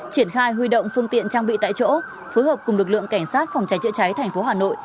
triển khai huy động phương tiện trang bị tại chỗ phối hợp cùng lực lượng cảnh sát phòng cháy chữa cháy thành phố hà nội